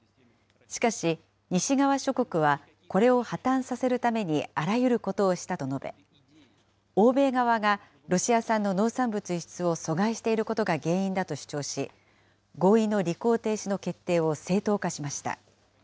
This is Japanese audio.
しかし、西側諸国は、これを破綻させるためにあらゆることをしたと述べ、欧米側がロシア産の農産物輸出を阻害していることが原因だと主張し、合意の履行停止の決定を正当化しました。